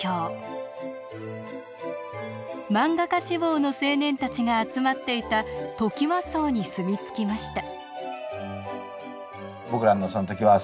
漫画家志望の青年たちが集まっていたトキワ荘に住み着きました。